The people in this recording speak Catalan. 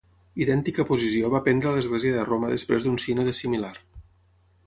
Idèntica posició va prendre l'església de Roma després d'un sínode similar.